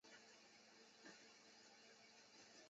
战事结束后返台。